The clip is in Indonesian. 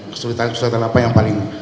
kesulitan kesulitan apa yang paling